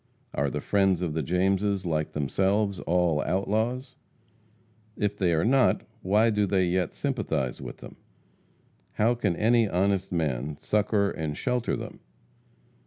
Are the friends of the Jameses, like themselves, all outlaws? If they are not, why do they yet sympathize with them? How can any honest man succor and shelter them?